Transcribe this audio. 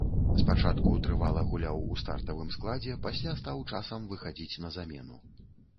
Спачатку трывала гуляў у стартавым складзе, пасля стаў часам выхадзіць на замену.